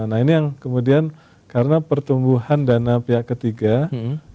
nah ini yang kemudian karena pertumbuhan dana pihak ketiga yang menjadi sumber dari posisi